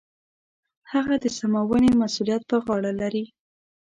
هغه د سمونې مسوولیت په غاړه لري.